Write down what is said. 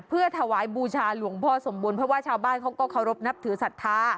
เพื่อถวายบูชาหลวงพ่อสมบูรณเพราะว่าชาวบ้านเขาก็เคารพนับถือศรัทธา